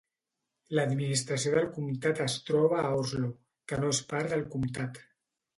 L'administració del comtat es troba a Oslo, que no és part del comtat.